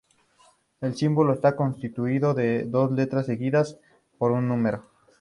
El símbolo está constituido de dos letras seguidas por un número.